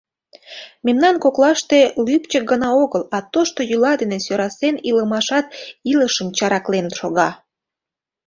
Мемнан коклаште лӱпчык гына огыл, а тошто йӱла дене сӧрасен илымашат илышым чараклен шога.